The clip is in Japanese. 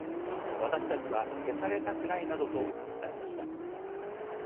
私たちは消されたくないなどと訴えました。